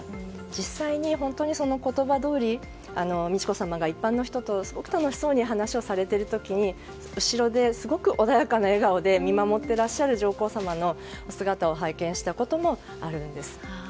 実際に本当にその言葉どおり美智子さまが一般の人とすごく楽しそうに話をされている時に後ろで、すごく穏やかな笑顔で見守っていらっしゃる上皇さまのお姿を拝見したこともあるんです。